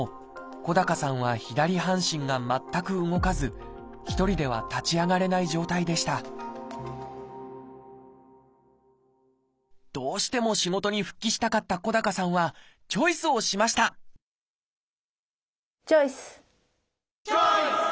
小高さんは左半身が全く動かず一人では立ち上がれない状態でしたどうしても仕事に復帰したかった小高さんはチョイスをしましたチョイス！